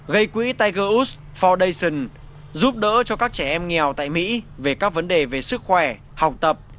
gây quỹ tiger woods foundation giúp đỡ cho các trẻ em nghèo tại mỹ về các vấn đề về sức khỏe học tập